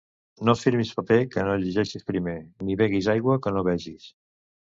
No firmis paper que no llegeixis primer, ni beguis aigua que no vegis.